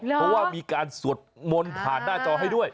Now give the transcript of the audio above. เพราะว่ามีการสวดมนต์ผ่านหน้าจอให้ด้วย